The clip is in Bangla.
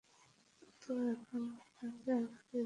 তো, এখন আপনাকে আমাদের বিশ্বাস করতে হবে?